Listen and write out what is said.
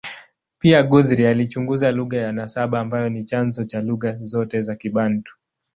Pia, Guthrie alichunguza lugha ya nasaba ambayo ni chanzo cha lugha zote za Kibantu.